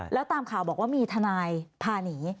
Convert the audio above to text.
แล้วตามข่าวบอกว่ามีทนายพาหนี